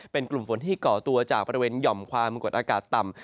เป็นกลุ่มฝนที่ก่อตัวจากบริเวณหย่อมความกดอากาศต่ำ